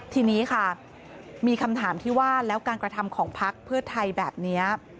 ทีนี้ค่ะมีคำถามที่ว่าแล้วการกระทำของพักเพื่อไทยแบบนี้